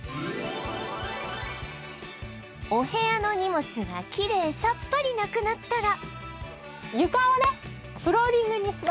お部屋の荷物がきれいさっぱりなくなったら